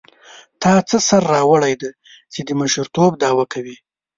تا څه سر راوړی دی چې د مشرتوب دعوه کوې.